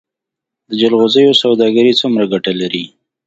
د جلغوزیو سوداګري څومره ګټه لري؟